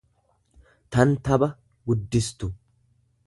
tan taba guddistu.